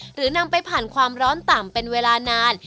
หรือนำไปผ่านความร้อนต่ำเป็นเวลานาน